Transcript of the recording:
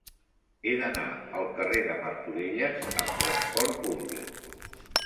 He d'anar al carrer de Martorelles amb trasport públic.